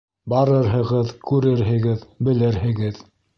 - Барырһығыҙ, күрерһегеҙ, белерһегеҙ.